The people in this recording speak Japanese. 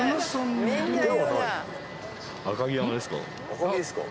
赤城山ですか？